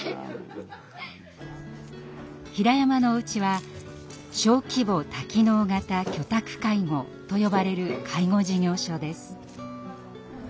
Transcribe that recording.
ひらやまのお家は小規模多機能型居宅介護と呼ばれる介護事業所です。